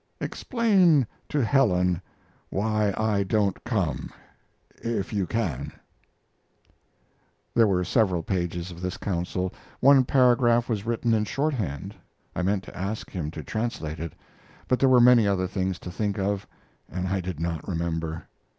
Explain to Helen why I don't come. If you can. There were several pages of this counsel. One paragraph was written in shorthand. I meant to ask him to translate it; but there were many other things to think of, and I did not remember.